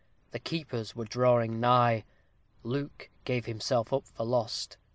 The keepers were drawing nigh. Luke gave himself up for lost.